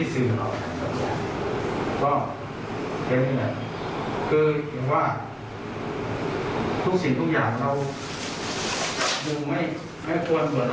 สองไม่ควรหวัดปฏิเสธ